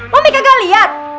mami aku ga bisa yang buka